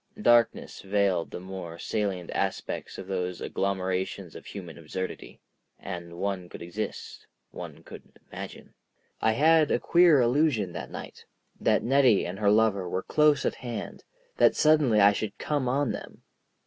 Darkness veiled the more salient aspects of those agglomerations of human absurdity, and one could exist—one could imagine. I had a queer illusion that night, that Nettie and her lover were close at hand, that suddenly I should come on them.